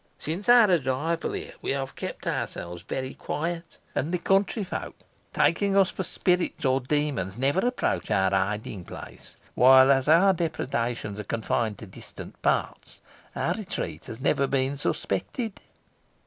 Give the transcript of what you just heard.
Since our arrival here we have kept ourselves very quiet, and the country folk, taking us for spirits or demons, never approach our hiding place; while, as all our depredations are confined to distant parts, our retreat has never been suspected."